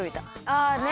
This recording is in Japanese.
あね！